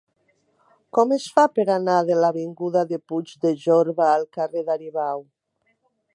Com es fa per anar de l'avinguda de Puig de Jorba al carrer d'Aribau?